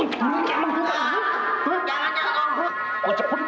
kok cepet kayak begitu